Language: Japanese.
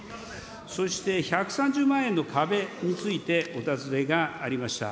そして１３０万円の壁についてお尋ねがありました。